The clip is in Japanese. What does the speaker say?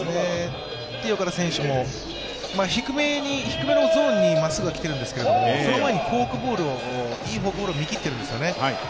Ｔ−岡田選手も低めのゾーンにまっすぐは来ているんですがその前にいいフォークボールを見切っているんですよね。